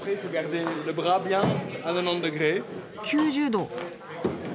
９０度。